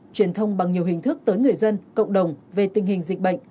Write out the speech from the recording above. truyền thông bằng nhiều hình thức tới người dân cộng đồng về tình hình dịch bệnh